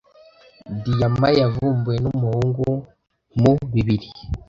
Diyama yavumbuwe numuhungu mu bibiri.